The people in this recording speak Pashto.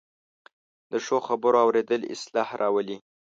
د ښو خبرو اورېدل اصلاح راولي